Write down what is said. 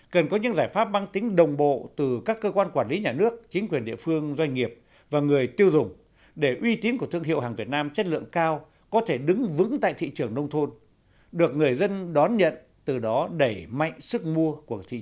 cần có những giải pháp băng tính đồng bộ từ các cơ quan quản lý nhà nước chính quyền địa phương doanh nghiệp và người tiêu dùng để uy tín của thương hiệu hàng việt nam chất lượng cao có thể đứng vững tại thị trường nông thôn được người dân đón nhận từ đó đẩy mạnh sức mua của thị trường